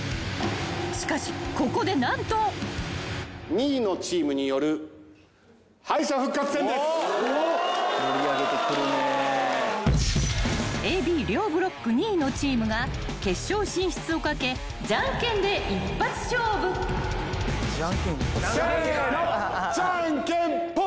［しかし］［ＡＢ両ブロック２位のチームが決勝進出を懸けじゃんけんで一発勝負］せのじゃんけんぽん。